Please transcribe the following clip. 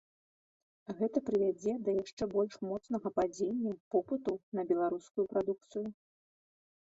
Гэта прывядзе да яшчэ больш моцнага падзення попыту на беларускую прадукцыю.